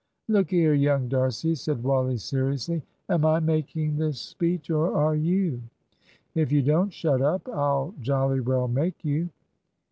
"Look here, young D'Arcy," said Wally, seriously, "am I making this speech, or are you. If you don't shut up, I'll jolly well make you.